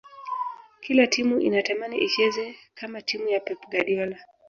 kila timu inatamani icheze kama timu ya pep guardiola